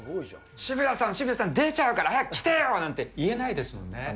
渋谷さん、渋谷さん、出ちゃうから早く来てよなんて言えないですもんね。